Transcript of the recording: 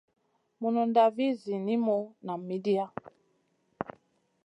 Mununda vih zinimu nam midia.